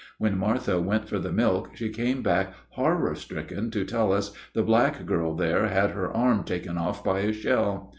When Martha went for the milk she came back horror stricken to tell us the black girl there had her arm taken off by a shell.